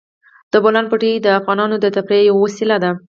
د بولان پټي د افغانانو د تفریح یوه وسیله ده.